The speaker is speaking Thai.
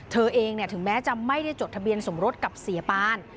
เธอเองถึงแม้จะไม่ได้จดทะเบียนสมรสกับเสียปาน